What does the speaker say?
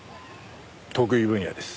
得意分野です。